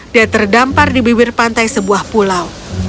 dia terdampar di bibir pantai sebuah pulau